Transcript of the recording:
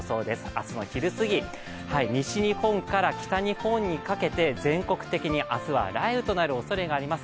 明日の昼過ぎ、西日本から北日本にかけて、全国的に明日は雷雨となるおそれがあります。